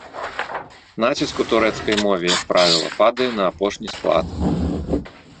Націск у турэцкай мове, як правіла, падае на апошні склад.